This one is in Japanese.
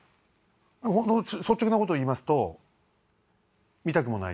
本当率直なこと言いますと見たくもない。